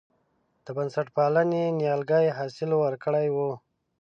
د بنسټپالنې نیالګي حاصل ورکړی و.